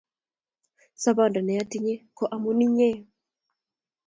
sabando na atinye ko amun inye